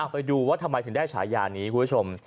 ไปดูว่าทำไมถึงได้ฉายานี้คุณผู้ชม